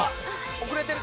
「遅れてる。